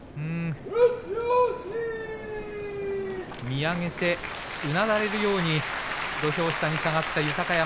見上げて、うなだれるように土俵下に下がった豊山。